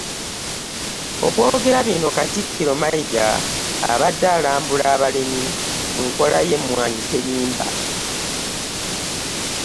Okwogera bino Katikkiro Mayiga abadde alambula abalimi mu nkola y'Emmwanyi Terimba